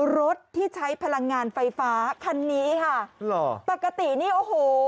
รถที่ใช้พลังงานไฟฟ้าคันนี้ค่ะหรอปกตินี่โอ้โห